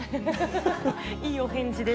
いいお返事です。